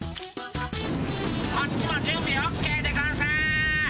「こっちもじゅんびオッケーでゴンス。